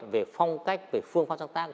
về phong cách về phương pháp sáng tác